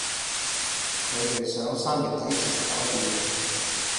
佢哋想三月底前搞掂